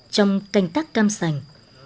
trong canh tác cam sành